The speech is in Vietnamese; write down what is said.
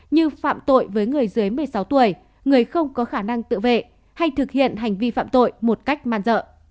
như phạm tội với người dưới một mươi sáu tuổi người không có khả năng tự vệ hay thực hiện hành vi phạm tội một cách man dợ